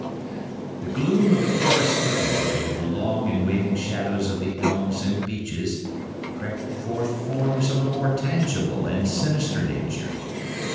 The gloom of the forest thickened, and with the long and waving shadows of the elms and beeches crept forth forms of a more tangible and sinister nature.